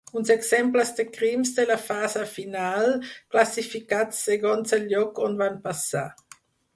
Uns exemples de crims de la fase final, classificats segons el lloc on van passar.